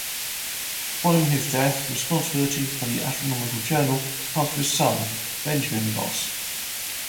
Following his death, responsibility for the "Astronomical Journal" passed to his son, Benjamin Boss.